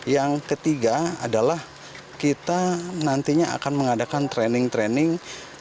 yang ketiga adalah kita nantinya akan mengadakan training training